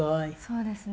そうですね。